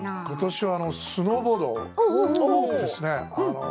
ことしはスノーボードですね。